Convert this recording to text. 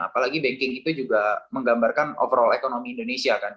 apalagi banking itu juga menggambarkan overall ekonomi indonesia kan